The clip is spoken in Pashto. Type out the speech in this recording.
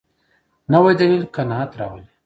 نوی دلیل قناعت راولي